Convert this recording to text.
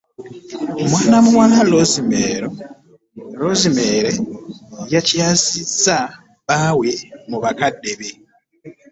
Mwana muwala Rose Mary Rosemary yakyaziza bba we mu bakadde be wera nebamwebaza nnyo olw'kubeera omwana ow'egonjebwa nabaweesa ekitiibaa, bamusabide n'omwoyo wakatonda omukulembe mu ddya lye.